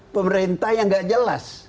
pemerintah yang tidak jelas